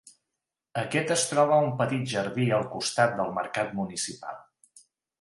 Aquest es troba a un petit jardí al costat del mercat municipal.